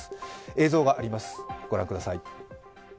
映像があります、ご覧ください。